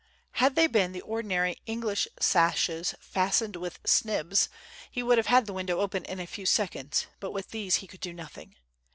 Had they been the ordinary English sashes fastened with snibs he would have had the window open in a few seconds, but with these he could do nothing.